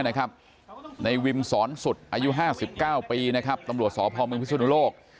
นายวิมสอนสุดอายุ๕๙ปีตำรวจสอบภอมเมืองพิษุนุโลก